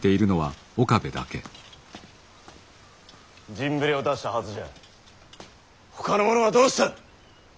陣触れを出したはずじゃほかの者はどうした！